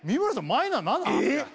マイナ７！？